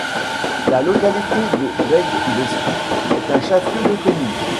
La localité de Bégbessou est un chef-lieu de commune.